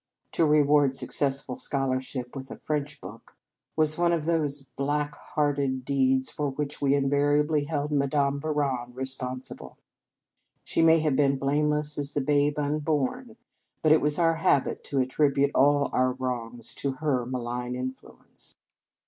To reward successful scholarship with a French book was one of those black hearted deeds for which we invariably held Madame Bouron responsible. She may have been blameless as the babe unborn; but it was our habit to attribute all our wrongs to her malign influence.